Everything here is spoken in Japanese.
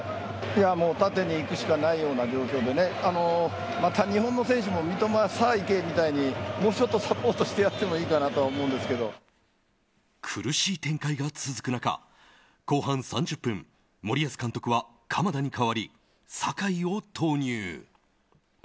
もう縦に行くしかないような状況でまた日本の選手も三笘、さあ行け！みたいにもうちょっとサポートしてやってもいいかなと苦しい展開が続く中後半３０分、森保監督は鎌田に代わり酒井を投入。